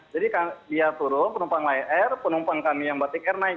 jadi dia turun penumpang lion air penumpang kami yang batik air naik